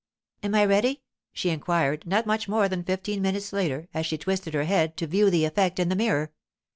'Am I ready?' she inquired, not much more than fifteen minutes later, as she twisted her head to view the effect in the mirror.